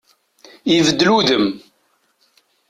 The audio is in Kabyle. Ibeddel udem.